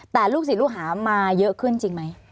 แต่ลูกศิษย์ลูกหามาเยอะขึ้นจริงไหม